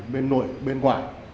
bên nội bên ngoài